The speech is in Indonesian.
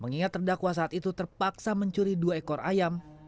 mengingat terdakwa saat itu terpaksa mencuri dua ekor ayam